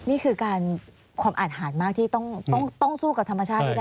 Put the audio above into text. นี่คือการความอาดหาดมากที่ต้องสู้กับธรรมชาติให้ได้